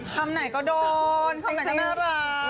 คำไหนก็โดนคำไหนก็น่ารัก